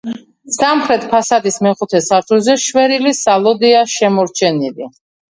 სამხრეთ ფასადის მეხუთე სართულზე შვერილი სალოდეა შემორჩენილი.